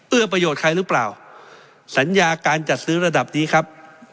ประโยชน์ใครหรือเปล่าสัญญาการจัดซื้อระดับนี้ครับ